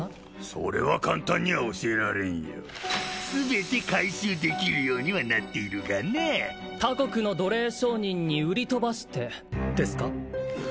それは簡単には教えられんよ全て回収できるようにはなっているがな他国の奴隷商人に売り飛ばしてですか？